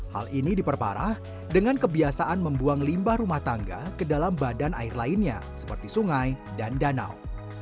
hal ini diperparah dengan kebiasaan membuang limbah rumah tangga ke dalam badan air lainnya seperti sungai dan danau